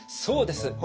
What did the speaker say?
そうです。